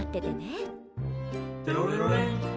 「テロレロレン」